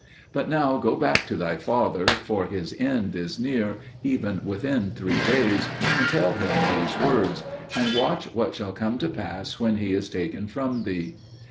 But now go back to thy father, for his end is near, even within three days, and tell him these words; and watch what shall come to pass when he is taken from thee."